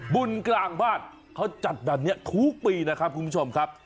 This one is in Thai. บุญกลางบ้านเขาจัดแบบนี้ทุกปีนะครับคุณผู้ชมครับ